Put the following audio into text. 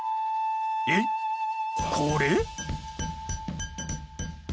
えっこれ？